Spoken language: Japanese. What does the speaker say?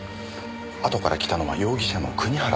あとから来たのは容疑者の国原の方です。